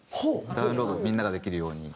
ダウンロードをみんなができるように。